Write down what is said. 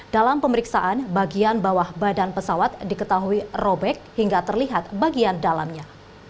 dalam pemeriksaan bagian bawah badan pesawat diketahui robek hingga terlihat bagian dalamnya